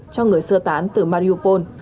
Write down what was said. cho người sơ tán từ mariupol